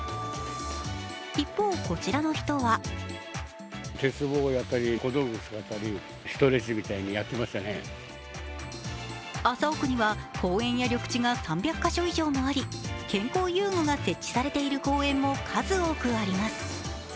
一方、こちらの人は麻生区には公園や緑地が３００か所以上あり健康遊具が設置されている公園も数多くあります。